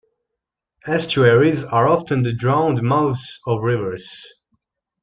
Estuaries are often the drowned mouths of rivers.